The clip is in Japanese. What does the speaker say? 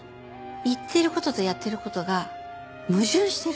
言っている事とやっている事が矛盾してる。